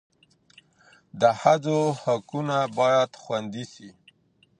د ښځو حقونه باید خوندي سي.